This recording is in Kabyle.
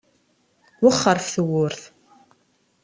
Wexxer ɣef tewwurt.